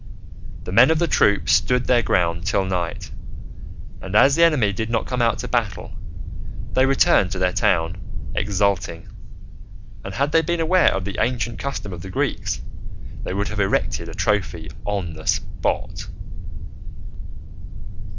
The men of the troop stood their ground till night, and as the enemy did not come out to battle, they returned to their town exulting; and had they been aware of the ancient custom of the Greeks, they would have erected a trophy on the spot.